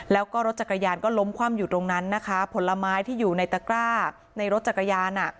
แล้วก็รถจักรยานก็ล้มคว่ำอยู่ตรงนั้นนะคะผลไม้ที่อยู่ในตะกร้าในรถจักรยานอ่ะ